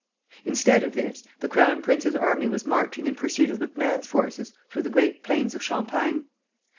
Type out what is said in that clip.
Instead of this, the Crown Prince's army was marching in pursuit of MacMahon's forces through the great plains of Champagne.